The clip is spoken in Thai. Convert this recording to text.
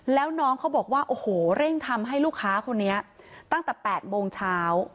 แล้วน้องเขาบอกว่าโอ้โหเร่งทำให้ลูกค้าคนนี้ตั้งแต่๘โมงเช้า